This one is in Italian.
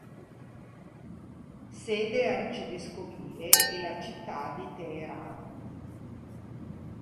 Sede arcivescovile è la città di Teheran.